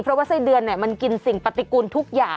เพราะว่าไส้เดือนมันกินสิ่งปฏิกูลทุกอย่าง